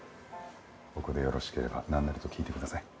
僕でよろしければなんなりと聞いてください。